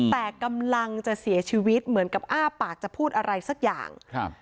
แต่กำลังจะเสียชีวิตเหมือนกับอ้าปากจะพูดอะไรสักอย่างครับ